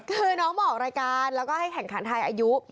คือน้องมาออกรายการแล้วก็ให้แข่งขันไทยอายุ